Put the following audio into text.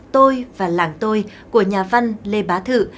tôi và làng tôi của nhà văn lê bá thự